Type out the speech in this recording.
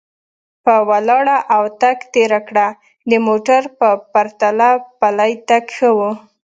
په ولاړه او تګ تېره کړه، د موټر په پرتله پلی تګ ښه و.